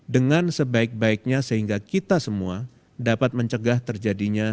dengan sebaik baiknya sehingga kita semua dapat mencegah terjadinya